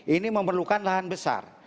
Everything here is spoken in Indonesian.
ini memerlukan lahan besar